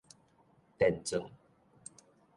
電鑽